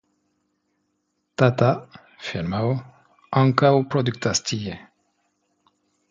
Tata (firmao) ankaŭ produktas tie.